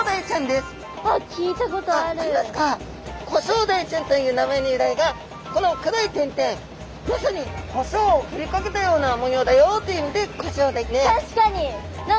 コショウダイちゃんという名前の由来がこの黒い点々まさにコショウをふりかけたような模様だよという意味でコショウダイで。